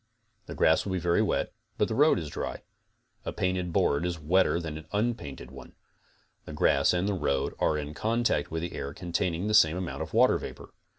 The grass will be very wet, but the road is dry. A painted board is wetter than an unpainted one. The grass and the road are in con tact with air containing the same amount of water vapor.